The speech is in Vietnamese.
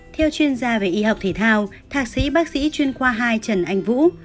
theo chuyên gia về y học thể thao thạc sĩ bác sĩ chuyên khoa hai trần anh vũ